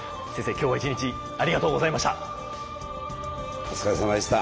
今日は１日ありがとうございました。